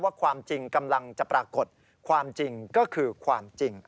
ความจริงกำลังจะปรากฏความจริงก็คือความจริง